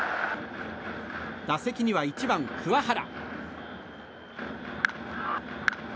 打席には１番、桑原。